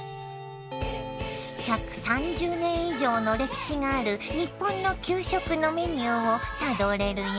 １３０年以上の歴史がある日本の給食のメニューをたどれるよ！